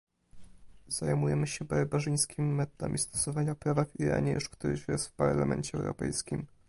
Zajmujemy się barbarzyńskimi metodami stosowania prawa w Iranie już któryś raz w Parlamencie Europejskim